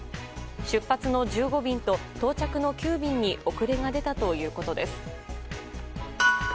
出発の１５便と到着の９便に遅れが出たということです。